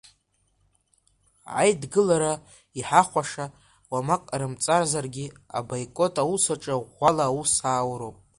Аидгылара иҳахәаша уамак ҟарымҵазаргьы, абоикот аус аҿы ӷәӷәала аус аауроуп.